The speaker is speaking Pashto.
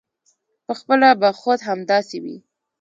پخپله به خود همداسې وي.